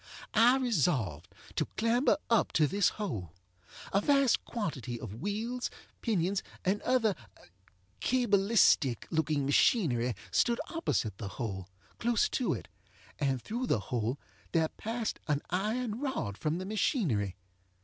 I resolved to clamber up to this hole. A vast quantity of wheels, pinions, and other cabalistic looking machinery stood opposite the hole, close to it; and through the hole there passed an iron rod from the machinery.